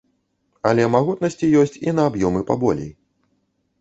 Але магутнасці ёсць і на аб'ёмы паболей.